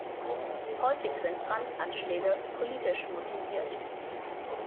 Häufig sind Brandanschläge politisch motiviert.